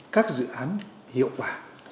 các dự án hiệu quả